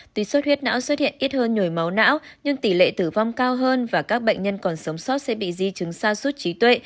tuy suất huyết não xuất hiện ít hơn nhồi máu não nhưng tỷ lệ tử vong cao hơn và các bệnh nhân còn sống sót sẽ bị di chứng xa suốt trí tuệ